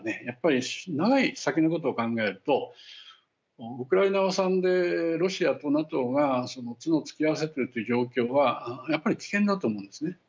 やっぱり長い先のことを考えるとウクライナを挟んでロシアとＮＡＴＯが角を突き合わせてるという状況はやっぱり危険だと思うんですね。